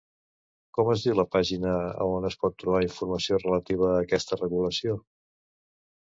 Com es diu la pàgina on es pot trobar informació relativa a aquesta regulació?